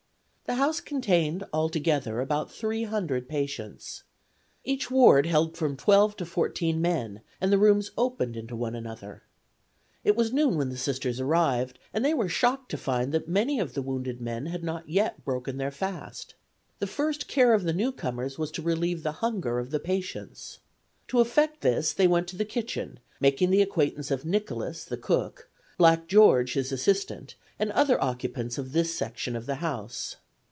The house contained altogether about three hundred patients. Each ward held from twelve to fourteen men, and the rooms opened into one another. It was noon when the Sisters arrived, and they were shocked to find that many of the wounded men had not yet broken their fast. The first care of the newcomers was to relieve the hunger of the patients. To effect this they went to the kitchen, making the acquaintance of "Nicholas," the cook; "Black George," his assistant, and other occupants of this section of the house.